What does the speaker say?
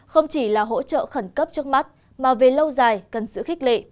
không chỉ là hỗ trợ khẩn cấp trước mắt mà về lâu dài cần sự khích lệ